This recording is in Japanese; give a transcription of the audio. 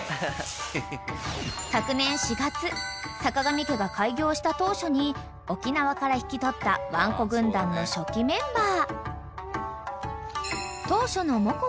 ［昨年４月さかがみ家が開業した当初に沖縄から引き取ったワンコ軍団の初期メンバー］